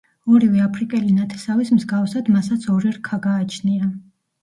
ორივე აფრიკელი ნათესავის მსგავსად მასაც ორი რქა გააჩნია.